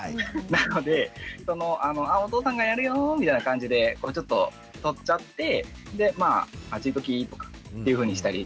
なので「あお父さんがやるよ」みたいな感じでちょっと取っちゃってでまああっち行っておきっていうふうにしたり。